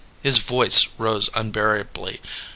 His voice rose unbearably.